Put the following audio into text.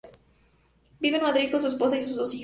Vive en Madrid con su esposa y sus dos hijos.